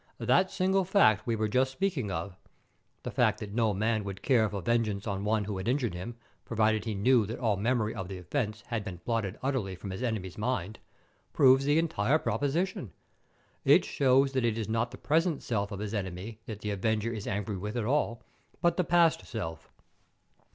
That single fact we were just speaking of the fact that no man would care for vengeance on one who had injured him, provided he knew that all memory of the offence had been blotted utterly from his enemy's mind proves the entire proposition. It shows that it is not the present self of his enemy that the avenger is angry with at all, but the past self.